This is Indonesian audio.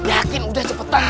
yakin udah cepetan